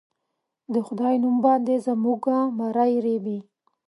د خدای نوم باندې زموږه مرۍ رېبي